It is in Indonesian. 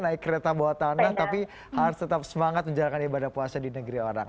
naik kereta bawa tanah tapi harus tetap semangat menjalankan ibadah puasa di negeri orang